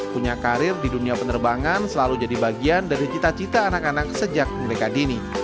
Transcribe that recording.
punya karir di dunia penerbangan selalu jadi bagian dari cita cita anak anak sejak mereka dini